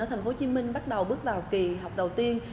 ở tp hcm bắt đầu bước vào kỳ học đầu tiên